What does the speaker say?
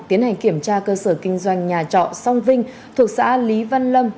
tiến hành kiểm tra cơ sở kinh doanh nhà trọ song vinh thuộc xã lý văn lâm